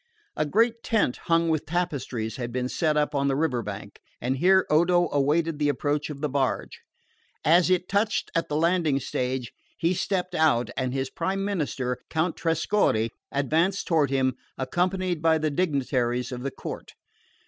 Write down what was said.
A great tent hung with tapestries had been set up on the river bank; and here Odo awaited the approach of the barge. As it touched at the landing stage he stepped out, and his prime minister, Count Trescorre, advanced toward him, accompanied by the dignitaries of the court.